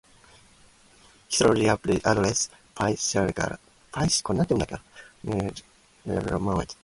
Kinesiology addresses physiological, biomechanical, and psychological mechanisms of movement.